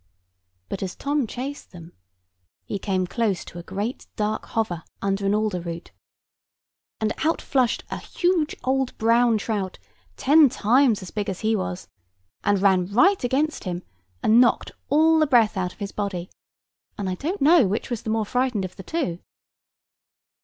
But as Tom chased them, he came close to a great dark hover under an alder root, and out floushed a huge old brown trout ten times as big as he was, and ran right against him, and knocked all the breath out of his body; and I don't know which was the more frightened of the two.